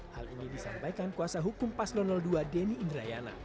hal ini disampaikan kuasa hukum pasro dua deni indrayana